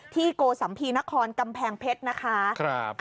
โกสัมภีนครกำแพงเพชรนะคะ